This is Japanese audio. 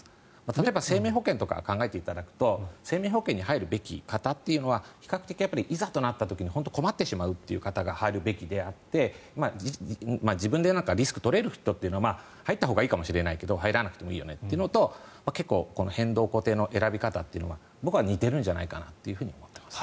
例えば生命保険とか考えていただくと生命保険に入るべき方というのは比較的、いざとなった時に困ってしまう方が入るべきであって、自分でリスクを取れる人というのは入ったほうがいいかもしれないけど入らなくてもいいよねというのと結構この変動、固定の選び方というのは僕は似ているんじゃないかなと思っています。